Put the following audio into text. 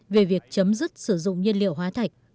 về việc chấm dứt sử dụng nhiên liệu hóa thạch